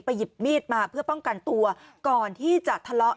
หยิบมีดมาเพื่อป้องกันตัวก่อนที่จะทะเลาะ